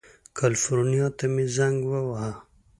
کلیفورنیا ته مې زنګ ووهه.